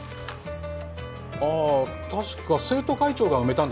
あー確か生徒会長が埋めたんだと思う